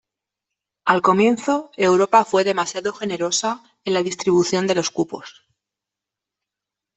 Al comienzo, Europa fue demasiado generosa en la distribución de los cupos.